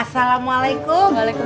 susunya mana ya ronaldo